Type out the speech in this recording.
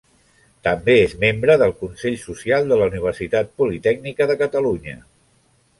També és membre del consell social de la Universitat Politècnica de Catalunya.